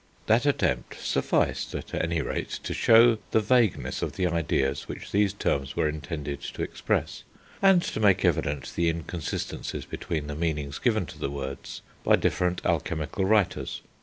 That attempt sufficed, at any rate, to show the vagueness of the ideas which these terms were intended to express, and to make evident the inconsistencies between the meanings given to the words by different alchemical writers.